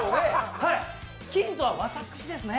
ヒントは私ですね。